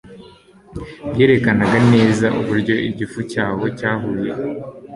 byerekanaga neza uburyo igifu cyabo cyahuye